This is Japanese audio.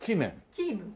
キームン。